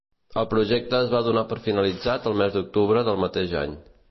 El projecte es va donar per finalitzat el mes d'octubre del mateix any.